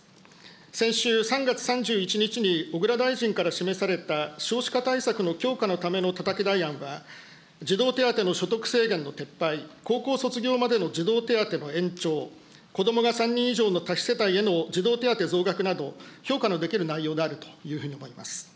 先週３月３１日に小倉大臣から示された少子化対策の強化のためのたたき台案は、児童手当の所得制限の撤廃、高校卒業までの児童手当の延長、子どもが３人以上の多子世帯への児童手当の増額など、評価のできる内容であるというふうに思います。